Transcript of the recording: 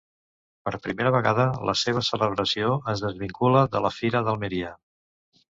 Per primera vegada la seva celebració es desvincula de la Fira d'Almeria.